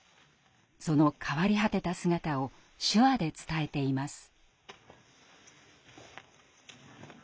その変わり果てた姿を「手話」で伝えています。